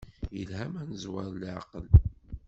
Yelha ma nezwer leɛqel.